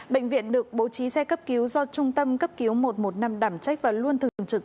bệnh viện được bố trí xe cấp cứu do trung tâm cấp cứu một trăm một mươi năm đảm trách và luôn thường trực